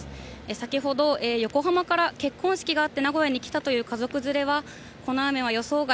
先ほど横浜から結婚式があって、名古屋に来たという家族連れは、この雨は予想外。